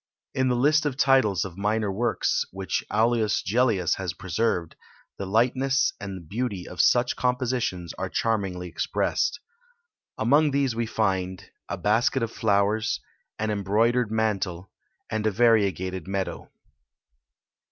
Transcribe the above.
In the list of titles of minor works, which Aulus Gellius has preserved, the lightness and beauty of such compositions are charmingly expressed. Among these we find a Basket of Flowers; an Embroidered Mantle; and a Variegated Meadow.